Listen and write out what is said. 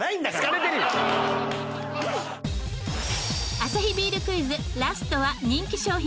アサヒビールクイズラストは人気商品